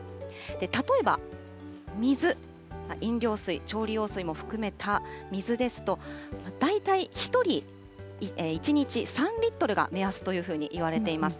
例えば水、飲料水、調理用水も含めた水ですと、大体１人１日３リットルが目安というふうにいわれています。